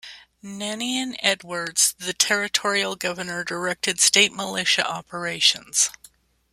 Ninian Edwards, the territorial governor, directed state militia operations.